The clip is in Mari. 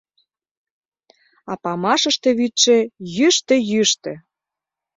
А памашыште вӱдшӧ — йӱштӧ-йӱштӧ.